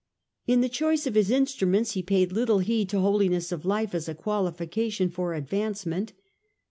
" In the choice of his instruments he paid little heed to holiness of life as a qualification for advancement.